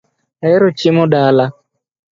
Aoro chiemo dala